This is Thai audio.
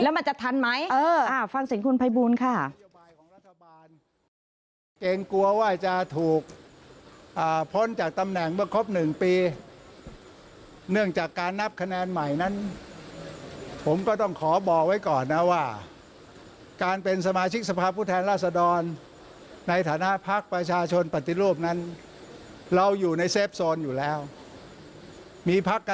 แล้วมันจะทันไหมฟังเสียงคุณภัยบูลค่ะ